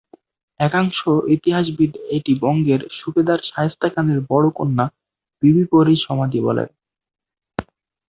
একাংশ ইতিহাসবিদ এটি বঙ্গের সুবেদার শায়েস্তা খানের বড়ো কন্যা বিবি পরীর সমাধি বলেন।